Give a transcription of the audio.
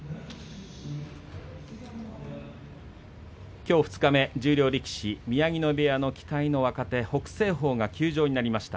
きょう二日目十両力士、宮城野部屋の期待の若手、北青鵬が休場になりました。